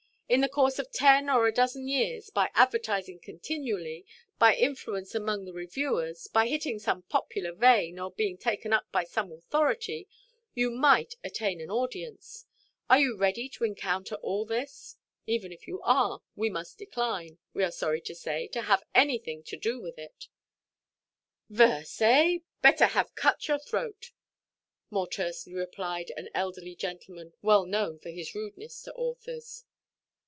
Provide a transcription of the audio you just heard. In the course of ten or a dozen years, by advertising continually, by influence among the reviewers, by hitting some popular vein, or being taken up by some authority, you might attain an audience. Are you ready to encounter all this? Even if you are, we must decline, we are sorry to say, to have anything to do with it." "Verse, eh? Better have cut your throat," more tersely replied an elderly gentleman, well known for his rudeness to authors.